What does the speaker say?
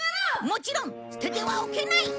もちろん捨ててはおけない！